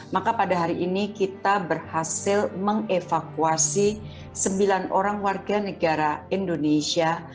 maka pada hari ini kita berhasil mengevakuasi sembilan orang warga negara indonesia